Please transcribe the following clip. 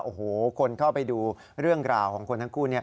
โอ้โหคนเข้าไปดูเรื่องราวของคนทั้งคู่